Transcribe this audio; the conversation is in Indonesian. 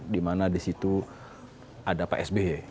dimana di situ ada pak s b